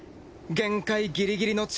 限界ギリギリの力。